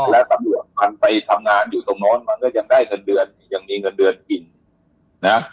แล้วตำรวจมันไปทำงานอยู่ตรงโน้นมันก็ยังได้เงินเดือนยังมีเงินเดือนกินนะ